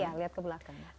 iya lihat ke belakang